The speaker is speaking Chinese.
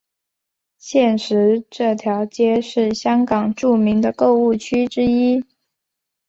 现时这条街道是香港著名的购物区之一。